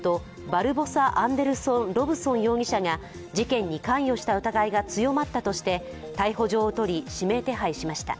バルボサ・アンデルソン・ロブソン容疑者が事件に関与した疑いが強まったとして逮捕状を取り、指名手配しました。